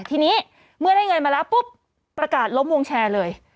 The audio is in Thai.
ทีนี้เมื่อได้เงินมาแล้วปุ๊บประกาศล้มวงแชร์เลย